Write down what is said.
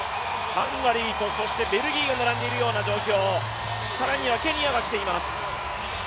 ハンガリーとベルギーが並んでいるような状況、更にはケニアが来ています。